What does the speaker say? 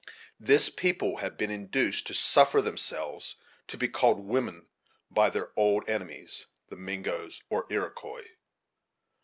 This people had been induced to suffer themselves to be called women by their old enemies, the Mingoes, or Iroquois.